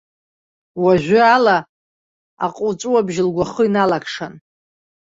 Уажәы ала аҟуҵәуабжь лгәахы иналакшан.